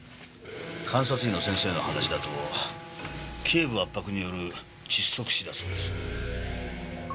監察医の先生の話だと頸部圧迫による窒息死だそうです。